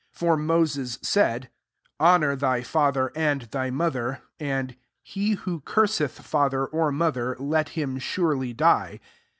10 For Moses said, * Honour thy father aiid thy mother:' and 'He who curseth father or modier, let him surely die.